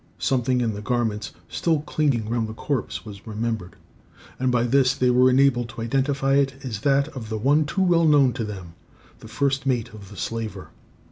Something in the garments still clinging round the corpse was remembered, and by this they were enabled to identify it as that of one too well known to them, the first mate of the slaver.